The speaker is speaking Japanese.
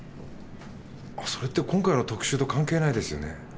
それって今回の特集と関係ないですよね。